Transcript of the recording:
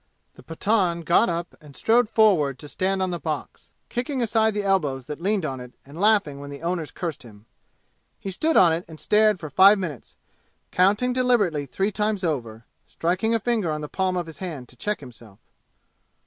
The Pathan got up and strode forward to stand on the box, kicking aside the elbows that leaned on it and laughing when the owners cursed him. He stood on it and stared for five minutes, counting deliberately three times over, striking a finger on the palm of his hand to check himself.